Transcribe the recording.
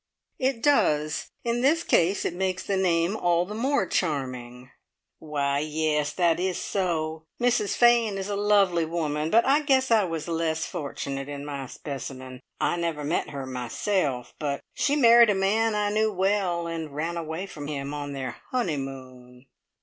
"It does. In this case it makes the name all the more charming." "Why, yes, that is so. Mrs Fane is a lovely woman. But I guess I was less fortunate in my specimen. I never met her myself, but she married a man I knew well, and ran away from him on their honeymoon!"